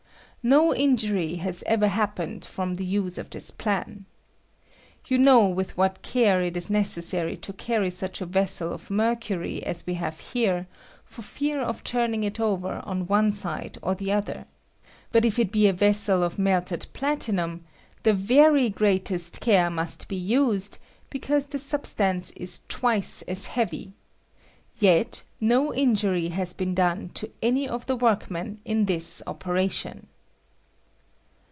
No injury has ever happened from the use of this plan. You know with what care it is necessary to carry such a vessel of mercury as we have here, for fear of turning it over on one side or the other ; but if it be a vessel of melted platinum the very greatest care must be used, because the sub stance is t wice as hea vy; yet no injury has been done to any of the workmen in this op eratdon.